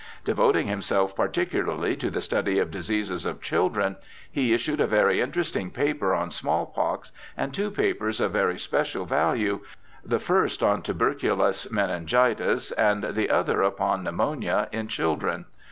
Devoting himself particularly to the study of diseases of children, he issued a very interesting paper on small pox, and two papers of very special value, the first on tuberculous meningitis and the other upon pneumonia in children.